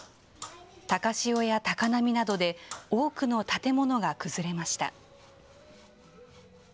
高潮や高波などで多くの建物が崩れました。